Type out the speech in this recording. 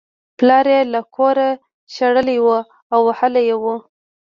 پلار یې له کوره شړلی و او وهلی یې و